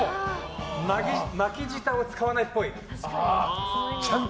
巻き舌を使わないっぽい。